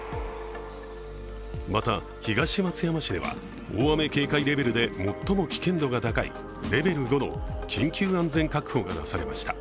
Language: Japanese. また、東松山市では大雨警戒レベルで最も危険度が高いレベル５の緊急安全確保が出されました。